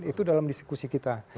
itu dalam diskusi kita